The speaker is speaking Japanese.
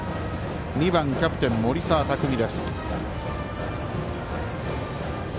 ２番、キャプテン森澤拓海。